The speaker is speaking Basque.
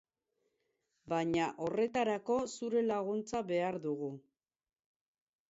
Baina horretarako zure laguntza behar dugu.